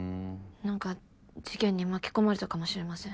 なんか事件に巻き込まれたかもしれません。